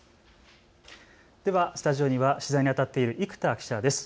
スタジオには取材にあたっている生田記者です。